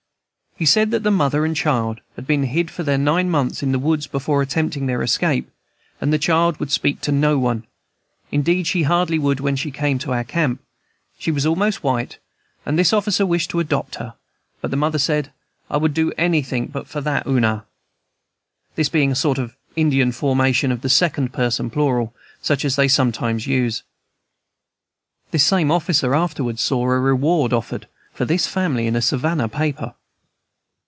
He said that the mother and child had been hid for nine months in the woods before attempting their escape, and the child would speak to no one, indeed, she hardly would when she came to our camp. She was almost white, and this officer wished to adopt her, but the mother said, "I would do anything but that for oonah," this being a sort of Indian formation of the second person plural, such as they sometimes use. This same officer afterwards saw a reward offered for this family in a Savannah paper.